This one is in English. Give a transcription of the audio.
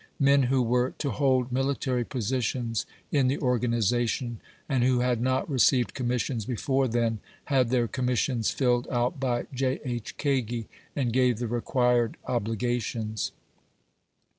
Men who were to hold mili tary positions in the organization, and who had not received commissions before then, had their commissions filled out by J. H. Kagi, and gave the required obligations.